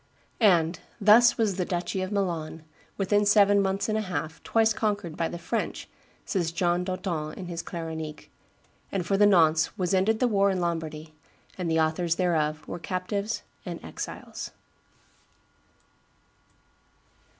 And "thus was the duchy of Milan, within seven months and a half, twice conquered by the French," says John d'Auton in his Claronique, "and for the nonce was ended the war in Lombardy, and the authors thereof were captives and exiles."